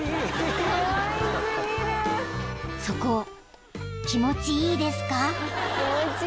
［そこ気持ちいいですか？］